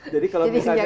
jadi kalau misalnya